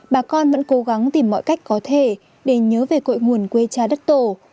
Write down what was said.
bà con vẫn cố gắng tìm mọi cách có thể để nhớ về cội nguồn quê cha đất tổ